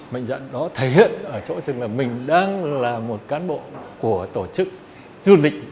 mạnh dẫn đó thể hiện ở chỗ dừng là mình đang là một cán bộ của tổ chức du lịch